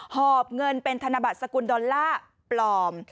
หอบเงินเป็นธนบัตรสกุลดอลลาร์ปลอม